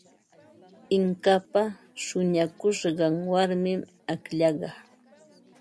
Inkapa shuñakushqan warmim akllaqa.